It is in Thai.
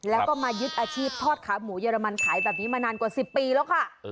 แล้วก็มายึดอาชีพทอดขาหมูเยอรมันขายแบบนี้มานานกว่า๑๐ปีแล้วค่ะ